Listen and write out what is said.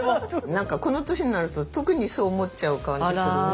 なんかこの年になると特にそう思っちゃう感じするね。